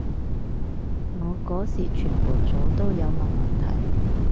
我嗰時全部組都有問問題